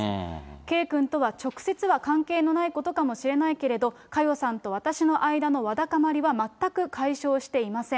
圭君とは直接は関係のないことかもしれないけれど、佳代さんと私の間のわだかまりは全く解消していません。